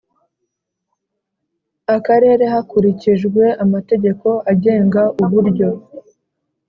Akarere hakurikijwe amategeko agenga uburyo